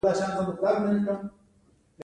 جغرافیه د ځمکې پوهنه ده